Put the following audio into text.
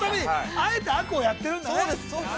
◆あえて悪をやってるんだね。